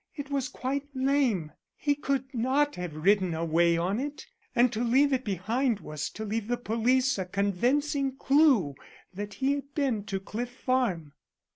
"It was quite lame. He could not have ridden away on it; and to leave it behind was to leave the police a convincing clue that he had been to Cliff Farm."